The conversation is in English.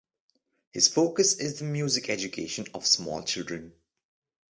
His focus is the music education of small children.